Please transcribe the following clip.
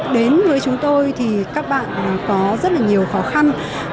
đến với chúng tôi thì các bạn có rất là nhiều khó khăn